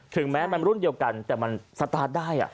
ถึงแม้มันรุ่นเดียวกันแต่มันสตาร์ทได้